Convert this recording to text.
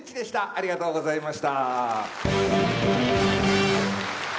ありがとうございます。